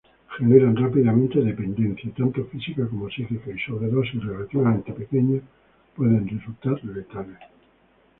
Generan rápidamente dependencia tanto física como psíquica y sobredosis relativamente pequeñas pueden resultar letales.